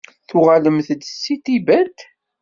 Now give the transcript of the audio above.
Tuɣalem-d seg Tibet?